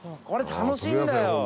これ楽しいんだよ。